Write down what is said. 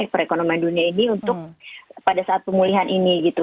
perekonomian dunia ini untuk pada saat pemulihan ini gitu